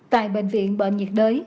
tại bệnh viện bệnh nhiệt đới